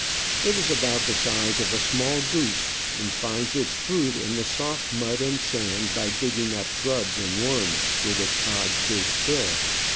It is about the size of a small goose, and it finds its food in the soft mud and sand, by digging up grubs and worms with its odd shaped bill.